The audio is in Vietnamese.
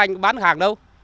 anh có bán hàng đâu